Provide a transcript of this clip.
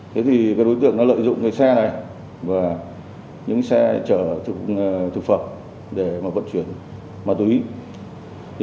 thế thì đối tượng đã lợi dụng cái xe này và những xe chở thực phẩm để vận chuyển ma túy